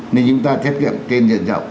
nên chúng ta thiết kiệm kênh diện rộng